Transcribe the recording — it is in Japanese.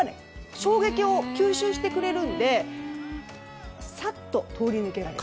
衝撃を吸収してくれるのでサッと通り抜けられます。